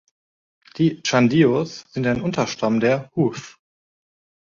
Die Chandios sind ein Unterstamm der Hooths.